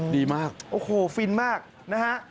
ดีมากโอ้โหฟินมากนะฮะ